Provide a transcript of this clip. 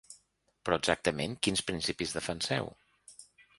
Però exactament quins principis defenseu?